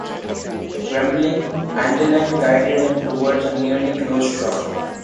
Trembling, Angeline guided him towards a nearly closed shop.